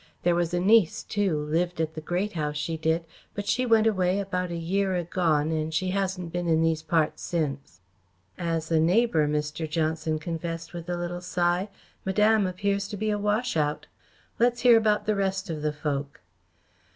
There was a niece too lived at the Great House, she did but she went away about a year agone and she hasn't been in these parts since." "As a neighbour," Mr. Johnson confessed, with a little sigh, "Madame appears to be a wash out. Let's hear about the rest of the folk."